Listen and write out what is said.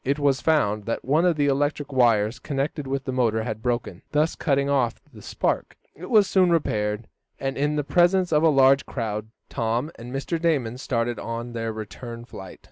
It was found that one of the electric wires connected with the motor had broken, thus cutting off the spark. It was soon repaired, and, in the presence of a large crowd, Tom and Mr. Damon started on their return flight.